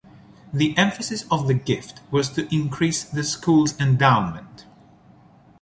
The emphasis of the gift was to increase the school's endowment.